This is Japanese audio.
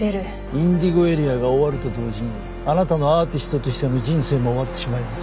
ＩｎｄｉｇｏＡＲＥＡが終わると同時にあなたのアーティストとしての人生も終わってしまいます。